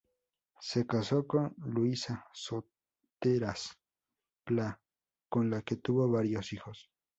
Se caso con Luisa Soteras Plá, con la que tuvo varios hijos.